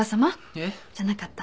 えっ？じゃなかった。